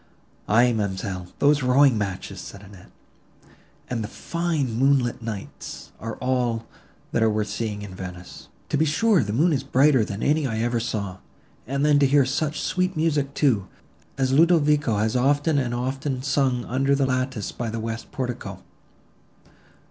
"Aye, ma'amselle, those rowing matches," said Annette, "and the fine moonlight nights, are all, that are worth seeing in Venice. To be sure the moon is brighter than any I ever saw; and then to hear such sweet music, too, as Ludovico has often and often sung under the lattice by the west portico!